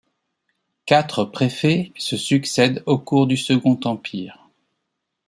Quatre préfets se succèdent au cours du Second Empire.